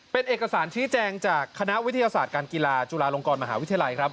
เป็นเอกสารชี้แจงจากคณะวิทยาศาสตร์การกีฬาจุฬาลงกรมหาวิทยาลัยครับ